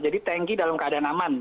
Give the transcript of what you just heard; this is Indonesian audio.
tanki dalam keadaan aman